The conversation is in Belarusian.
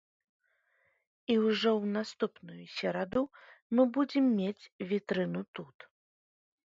І ўжо ў наступную сераду мы будзем мець вітрыну тут.